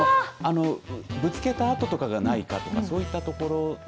ぶつけた跡とかがないかとかそういったところ。